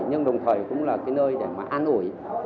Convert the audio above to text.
nhưng đồng thời cũng là cái nơi để mà an ủi